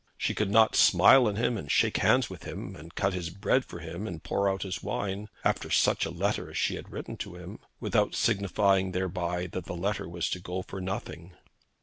She could not smile on him and shake hands with him, and cut his bread for him and pour out his wine, after such a letter as she had written to him, without signifying thereby that the letter was to go for nothing.